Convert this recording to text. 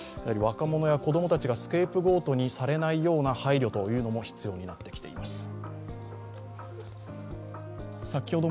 若者や子供たちがスケープゴートにされないような配慮も必要になってきています。